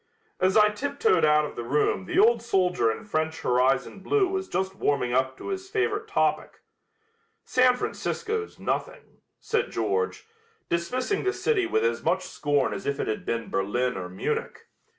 As I tiptoed out of the room the old soldier in French horizon blue was just warming up to his favorite topic. "San Francisco's nothing," said George, dismissing the city with as much scorn as if it had been Berlin or Munich.